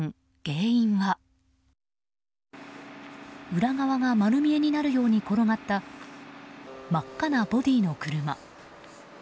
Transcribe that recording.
裏側が丸見えになるように転がった真っ赤なボディーの車。